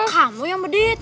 kamu yang medit